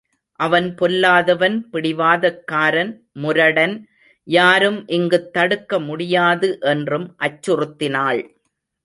அவன் பொல்லாதவன் பிடிவாதக்காரன், முரடன் யாரும் இங்குத் தடுக்க முடியாது என்றும் அச்சுறுத்தினாள்.